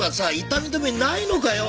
痛み止めないのかよ？